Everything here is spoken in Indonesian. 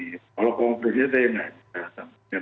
kalau komplitnya saya tidak bisa sampaikan